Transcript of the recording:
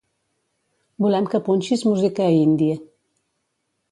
Volem que punxis música indie.